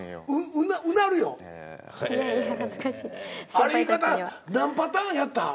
あれ言い方何パターンやった？